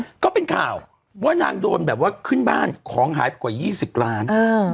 ก็เป็นข่าวว่านางโดนแบบว่าขึ้นบ้านของหายกว่ายี่สิบล้านอ่า